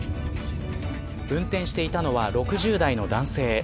運転していたのは６０代の男性。